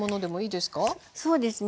そうですね。